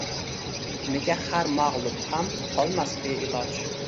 Nega har mag‘lub ham qolmas beiloj?!